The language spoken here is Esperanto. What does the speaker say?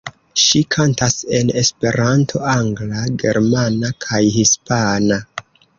Ŝi kantas en esperanto, angla, germana kaj hispana.